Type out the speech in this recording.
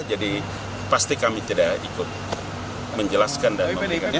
jadi pasti kami tidak ikut menjelaskan dan menunjukkannya